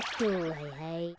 はいはい。